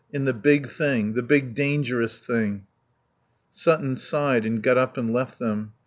In the big thing; the big dangerous thing." Sutton sighed and got up and left them.